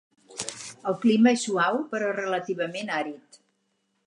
El clima és suau, però relativament àrid.